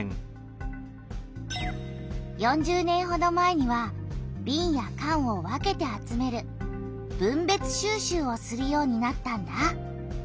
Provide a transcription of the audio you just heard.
４０年ほど前にはびんやかんを分けて集める「分別収集」をするようになったんだ。